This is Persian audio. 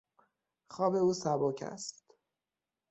خواب او سبک است.